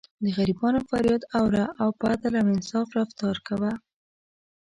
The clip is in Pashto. د غریبانو فریاد اوره او په عدل او انصاف رفتار کوه.